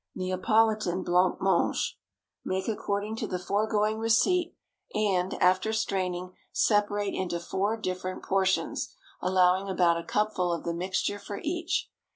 NEAPOLITAN BLANC MANGE. ✠ Make according to the foregoing receipt, and, after straining, separate into four different portions, allowing about a cupful of the mixture for each.